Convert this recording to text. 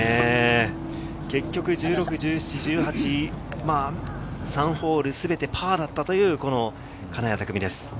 結局１６、１７、１８、３ホール全てパーだったという、金谷拓実です。